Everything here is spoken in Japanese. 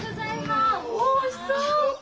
わおいしそう！